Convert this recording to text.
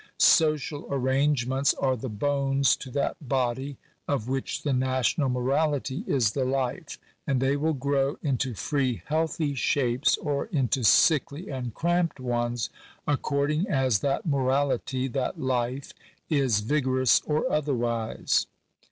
Social arrangements are the bones to that body, of which the national morality is the life; and they will grow into free, healthy shapes, or into sickly and cramped ones, according as that morality, that life, is vigorous or otherwise.